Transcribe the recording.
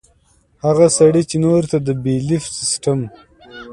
هغه سړے چې نورو ته د بيليف سسټم